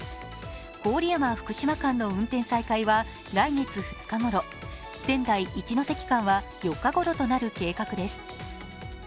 郡山−福島間の運転再開は来月２日ごろ、仙台−一ノ関間は４日ごろとなる計画です。